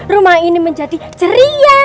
rumah ini menjadi ceria